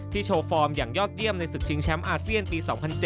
โชว์ฟอร์มอย่างยอดเยี่ยมในศึกชิงแชมป์อาเซียนปี๒๐๐๗